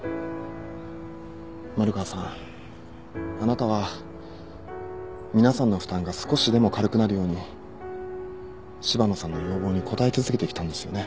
丸川さんあなたは皆さんの負担が少しでも軽くなるように柴野さんの要望に応え続けてきたんですよね。